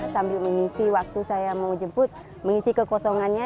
sambil mengisi waktu saya mau jemput mengisi kekosongannya